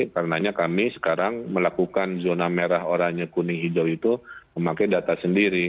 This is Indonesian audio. karena kami sekarang melakukan zona merah oranye kuning hijau itu memakai data sendiri